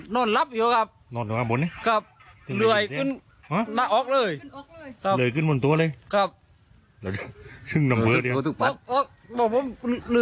นอนรับอยู่ครับครับเหลือยขึ้นนะออกเลย